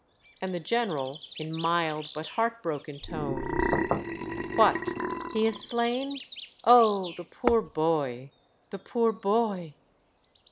And the general, in mild, but heart broken tones, — "What! he is slain? Oh! the poor boy, the poor boy